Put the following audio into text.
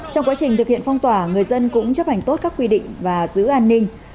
trong quá trình thực hiện phong tỏa người dân cũng chấp hành tốt các quy định và giữ an ninh